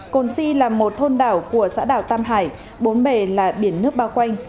cồn si là một thôn đảo của xã đảo tam hải bốn bề là biển nước bao quanh